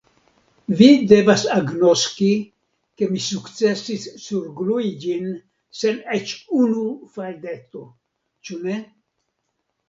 Vi devas agnoski, ke mi sukcesis surglui ĝin sen eĉ unu faldeto, ĉu ne?